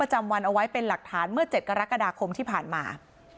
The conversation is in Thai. หาดเมื่อเจ็ดกรกฎาคมที่ผ่านมา